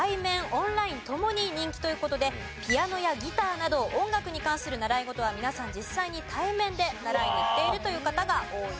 オンラインともに人気という事でピアノやギターなど音楽に関する習い事は皆さん実際に対面で習いに行っているという方が多いようです。